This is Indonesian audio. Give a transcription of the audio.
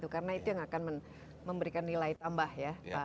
karena itu yang akan memberikan nilai tambah ya